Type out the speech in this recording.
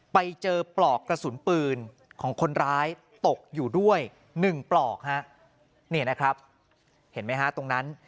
ไปเจอปลอกกระสุนปืนของคนร้ายตกอยู่ด้วยหนึ่งปลอกฮะนี่นะครับเห็นไหมฮะตรงนั้น